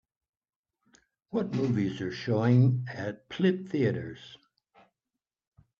What movies are showing at Plitt Theatres.